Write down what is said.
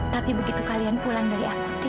tapi begitu kalian pulang dari akuti